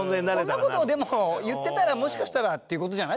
こんな事をでも言ってたらもしかしたらって事じゃない？